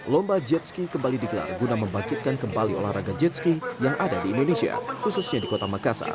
lomba jetski kembali digelar guna membangkitkan kembali olahraga jetski yang ada di indonesia khususnya di kota makassar